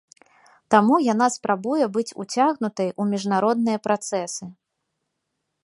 Таму яна спрабуе быць уцягнутай у міжнародныя працэсы.